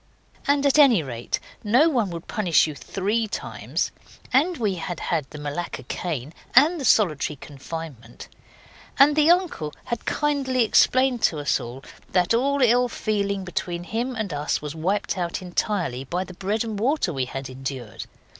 And at any rate no one would punish you three times, and we had had the Malacca cane and the solitary confinement; and the uncle had kindly explained to us that all ill feeling between him and us was wiped out entirely by the bread and water we had endured.